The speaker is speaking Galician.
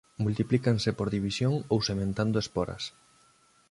Multiplícanse por división ou sementando esporas.